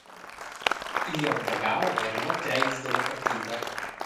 Igl onn vargau eran mo treis dalla partida.